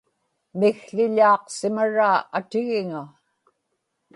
mikłił̣aaqsimaraa atigiŋa